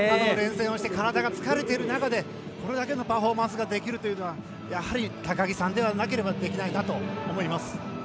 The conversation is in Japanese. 連戦をして体が疲れている中でこれだけのパフォーマンスができるというのは高木さんでなければできないなと思います。